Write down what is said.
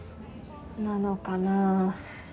なのかな？